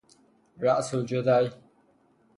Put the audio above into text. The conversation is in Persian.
رأس الجدی